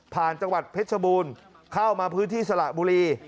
ผ่านจังหวัดเพชรบูลเข้ามาพื้นที่สหบุรี